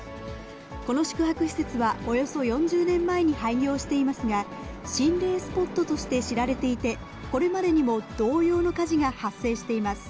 この宿泊施設は、およそ４０年前に廃業していますが、心霊スポットとして知られていて、これまでにも同様の火事が発生しています。